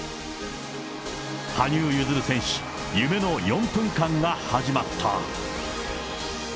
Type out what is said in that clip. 羽生結弦選手、夢の４分間が始まった。